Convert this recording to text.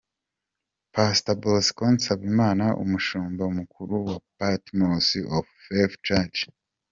Pastor Bosco Nsabimana umushumba mukuru wa Patmos of Faith church.